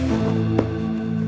sampai jumpa lagi mams